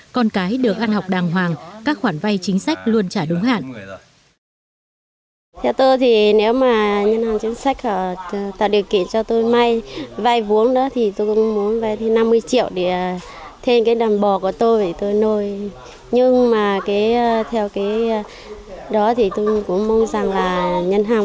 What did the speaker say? con cái được ăn học đàng hoàng các khoản vay chính sách luôn trả đúng hạn